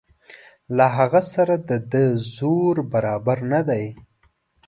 له هغه سره د ده زور برابر نه دی.